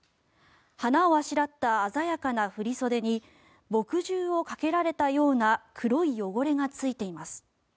花をあしらった鮮やかな振り袖に墨汁をかけられたような黒い汚れがついています。